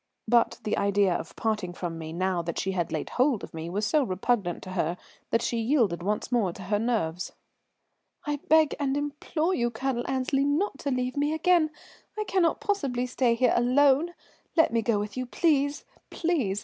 But the idea of parting from me now that she had laid hold of me was so repugnant to her that she yielded once more to her nerves. "I beg and implore you, Colonel Annesley, not to leave me again. I cannot possibly stay here alone. Let me go with you, please, please.